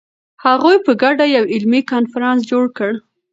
هغوی په ګډه یو علمي کنفرانس جوړ کړ.